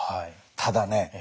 ただね